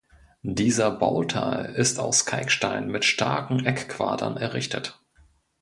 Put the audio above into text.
Dieser Bauteil ist aus Kalkstein mit starken Eckquadern errichtet.